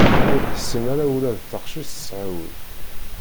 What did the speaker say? Ur ḥsin ara ula d taqcict tesɛa ul.